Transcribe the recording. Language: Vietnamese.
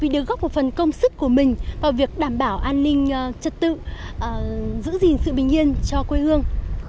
tôi tự hào vì được góp một phần công sức của mình vào việc đảm bảo an ninh trật tự giữ gìn sự bình yên cho quê hương